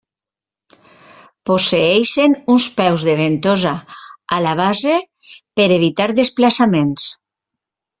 Posseeixen uns peus de ventosa a la base per evitar desplaçaments.